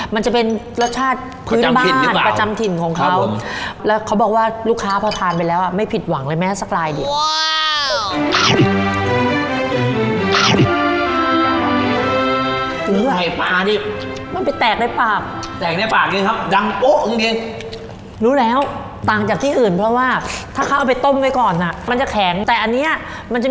มันจะเป็นรสชาติพื้นบ้านประจำถิ่นของเขาแล้วเขาบอกว่าลูกค้าพอทานไปแล้วไม่ผิดหวังเลยแม้สักลายดิ